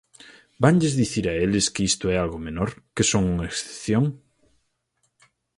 ¿Vanlles dicir a eles que isto é algo menor, que son unha excepción?